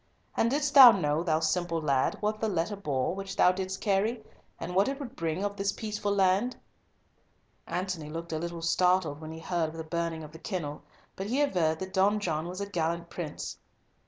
And didst thou know, thou simple lad, what the letter bore, which thou didst carry, and what it would bring on this peaceful land?" Antony looked a little startled when he heard of the burning of the kennel, but he averred that Don John was a gallant prince.